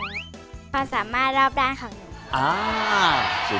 ความสามารถรอบด้านของหนู